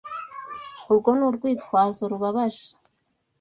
Urwo ni urwitwazo rubabaje.